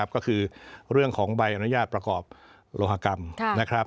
ก็คือเรื่องของใบอนุญาตประกอบโลหกรรมนะครับ